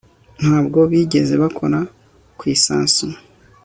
ntabwo bigeze bakora ku isasu